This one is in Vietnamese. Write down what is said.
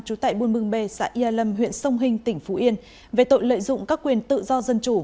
trú tại buôn mương bê xã yà lâm huyện sông hình tỉnh phú yên về tội lợi dụng các quyền tự do dân chủ